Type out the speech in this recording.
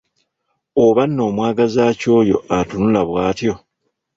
Oba nno amwagaza ki oyo atunula bw'atyo?